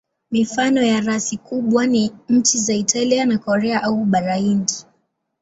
Mifano ya rasi kubwa ni nchi za Italia na Korea au Bara Hindi.